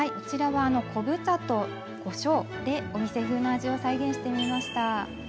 昆布茶とこしょうでお店風の味を再現してみました。